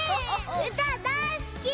うただいすき！